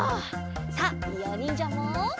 さあいおにんじゃも。